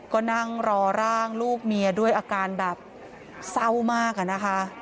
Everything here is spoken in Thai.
ก็นั่งรอร่างลูกเมียด้วยอาการแบบเศร้ามากอะนะคะ